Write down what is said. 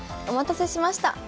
お待たせしました。